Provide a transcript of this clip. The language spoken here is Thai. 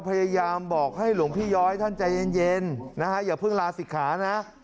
พยายามบอกให้หลวงพี่ย้อยท่านใจเย็นนะฮะอย่าเพิ่งลาศิกขานะ